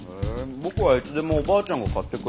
僕はいつでもおばあちゃんが買ってくれたよ。